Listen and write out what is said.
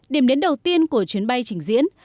điểm đến đầu tiên của chuyến bay chỉnh diễn